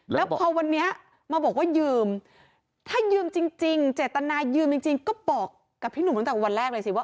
แล้วพอวันนี้มาบอกว่ายืมถ้ายืมจริงเจตนายืมจริงก็บอกกับพี่หนุ่มตั้งแต่วันแรกเลยสิว่า